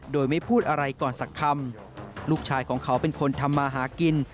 โดยไม่พูดอะไรก่อนสักคำลูกชายของเขาเป็นคนทำมาหากิน